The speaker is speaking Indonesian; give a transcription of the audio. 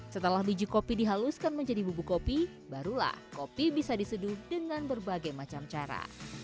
setelah biji kopi dihaluskan menjadi bubuk kopi barulah kopi bisa diseduh dengan berbagai macam cara